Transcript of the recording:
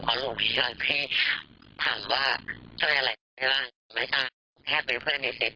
เพราะลูกพี่ยอยพี่ถามว่าช่วยอะไรบ้างไม่ใช่แค่เป็นเพื่อนในเซฟ